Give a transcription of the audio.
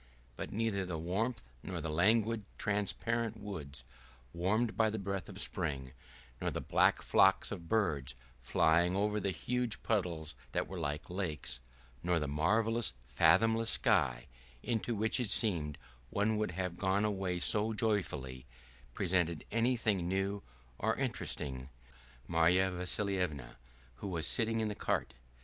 But neither the warmth nor the languid transparent woods, warmed by the breath of spring, nor the black flocks of birds flying over the huge puddles that were like lakes, nor the marvelous fathomless sky, into which it seemed one would have gone away so joyfully, presented anything new or interesting to Marya Vassilyevna who was sitting in the cart.